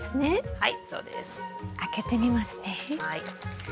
はい。